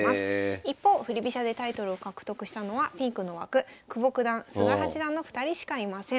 一方振り飛車でタイトルを獲得したのはピンクの枠久保九段菅井八段の２人しかいません。